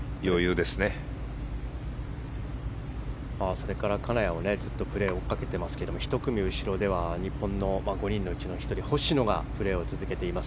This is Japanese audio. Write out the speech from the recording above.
それから金谷もプレーを追いかけていますが１組後ろでは日本の５人のうちの１人星野がプレーを続けています。